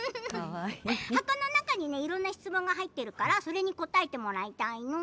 箱の中にいろんな質問が入っているからそれに答えてもらいたいの。